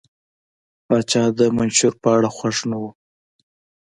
پاچا د منشور په اړه خوښ نه و.